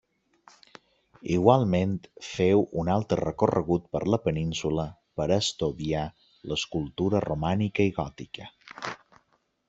Igualment feu un altre recorregut per la Península per estudiar l'escultura romànica i gòtica.